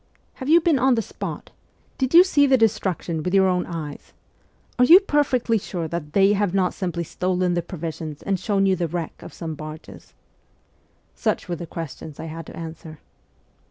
' Have you been on the spot ? Did you see the destruction with your own eyes? Are you perfectly sure that "they" have not simply stolen the provisions and shown you the wreck of some barges ?' Such were the questions I had to answer.